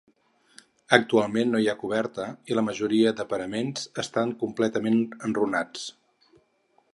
Actualment no hi ha coberta i la majoria de paraments estan completament enrunats.